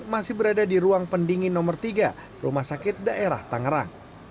masih berada di ruang pendingin nomor tiga rumah sakit daerah tangerang